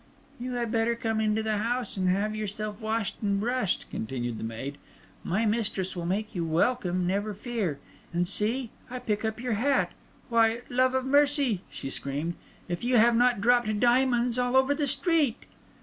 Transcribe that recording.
"You had better come into the house and have yourself washed and brushed," continued the maid. "My mistress will make you welcome, never fear. And see, I will pick up your hat. Why, love of mercy!" she screamed, "if you have not dropped diamonds all over the street!"